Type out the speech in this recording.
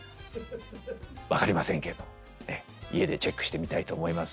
分かりませんけれども家でチェックしてみたいと思います。